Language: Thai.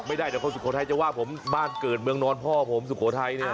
ไม่ได้เดี๋ยวคนสุโขทัยจะว่าผมบ้านเกิดเมืองนอนพ่อผมสุโขทัยเนี่ย